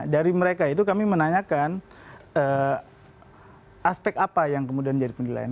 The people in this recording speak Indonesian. dari mereka itu kami menanyakan aspek apa yang kemudian jadi penilaian